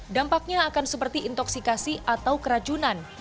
dampaknya akan seperti intoksikasi atau keracunan